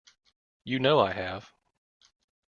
You know I have.